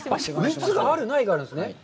蜜がある、ないがあるんですね。